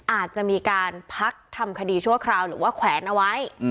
อาจจะมีการพักทำคดีชั่วคราวหรือว่าแขวนเอาไว้